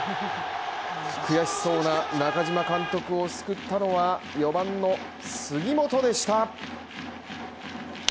悔しそうな中島監督を救ったのは４番の杉本でした。